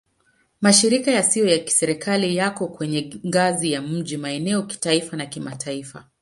Mashirika yasiyo ya Kiserikali yako kwenye ngazi ya miji, maeneo, kitaifa na kimataifa.